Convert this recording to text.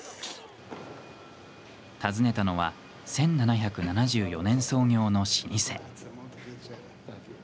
訪ねたのは１７７４年創業の老舗。